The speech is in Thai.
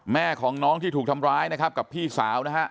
แม่ของน้องที่ถูกทำร้ายนะครับกับพี่สาวนะฮะ